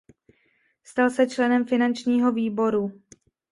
Stal se členem finančního výboru.